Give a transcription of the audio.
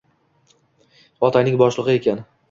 Otangning boshlig`i ekan